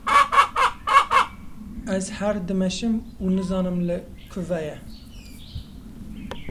Ez her dimeşim û nizanim li kûve ye